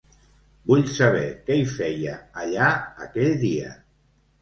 Vull saber què hi feia, allà, aquell dia.